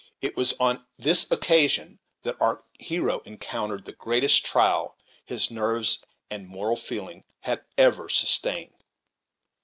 It was on this occasion that our hero encountered the greatest trial his nerves and moral feeling had ever sustained.